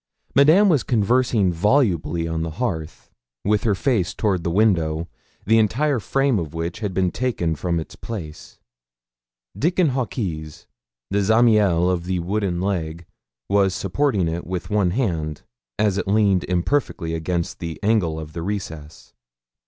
Madame was conversing volubly on the hearth, with her face toward the window, the entire frame of which had been taken from its place: Dickon Hawkes, the Zamiel of the wooden leg, was supporting it with one hand, as it leaned imperfectly against the angle of the recess.